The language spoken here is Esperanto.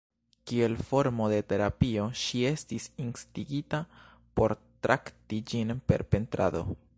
Kiel formo de terapio, ŝi estis instigita por trakti ĝin per pentrado.